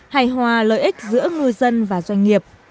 hài hòa lợi ích giữa ngư dân và doanh nghiệp